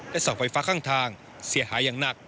เสาไฟฟ้าข้างทางเสียหายอย่างหนัก